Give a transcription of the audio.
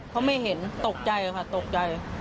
เขาไม่เห็นตกใจค่ะตกใจ